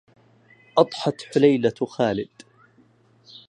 أضحت حليلة خالد